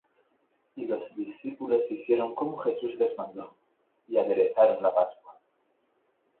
Y los discípulos hicieron como Jesús les mandó, y aderezaron la pascua.